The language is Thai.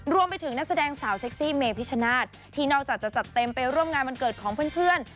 นักแสดงสาวเซ็กซี่เมพิชนาธิ์ที่นอกจากจะจัดเต็มไปร่วมงานวันเกิดของเพื่อน